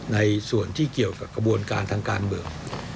ในส่วนที่เกี่ยวกับกระบวนการทางการเมือง